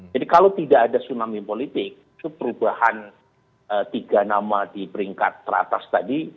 jadi kalau tidak ada tsunami politik itu perubahan tiga nama di peringkat teratas tadi